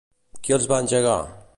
Qui el va engegar?